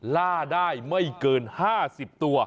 ล่าได้ไม่เกิน๕๐ตัว